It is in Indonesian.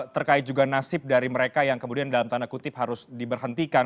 terkait juga nasib dari mereka yang kemudian dalam tanda kutip harus diberhentikan